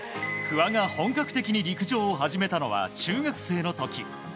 不破が本格的に陸上を始めたのは中学生の時。